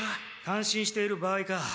感心している場合か。